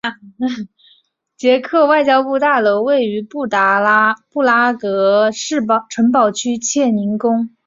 捷克外交部大楼位于布拉格市城堡区切宁宫。